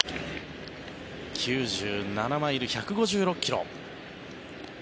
９７マイル、１５６ｋｍ。